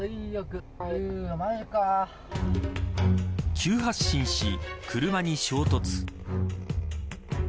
急発進し、車に衝突。